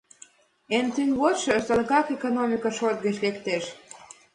Эн тӱҥ-вожшо садыгак экономика шот гыч лектеш.